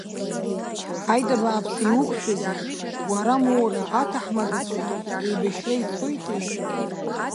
Ҳаит абааԥсы, иуқәшәазеи, уара моура аҭаҳмадцәагь еибашьра ицоите!